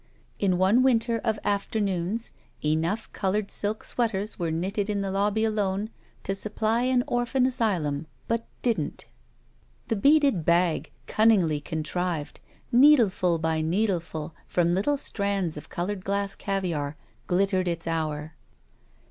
In one winter of afternoons enough colored silk sweaters were knitted in the lobby alone to supply an orphan asyltmi, but didn't. The beaded bag, cunningly contrived, needleful by needleful, from little strands of colored glass caviar, glittered its hour.